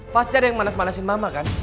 pasti ada yang manas manasin mama kan